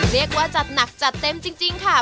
เรียกว่าจัดหนักจัดเต็มจริงค่ะ